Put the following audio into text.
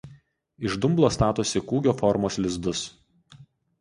Iš dumblo statosi kūgio formos lizdus.